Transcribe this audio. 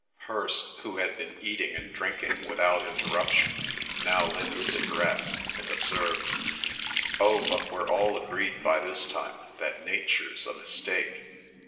Hirst, who had been eating and drinking without interruption, now lit a cigarette, and observed, "Oh, but we're all agreed by this time that nature's a mistake.